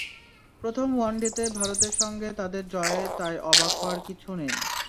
প্রথম ওয়ানডেতে ভারতের সঙ্গে তাদের জয়ে তাই অবাক হওয়ার কিছু নেই।